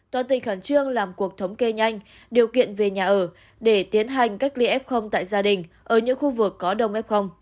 toàn tỉnh khẩn trương làm cuộc thống kê nhanh điều kiện về nhà ở để tiến hành cách ly f tại gia đình ở những khu vực có đông f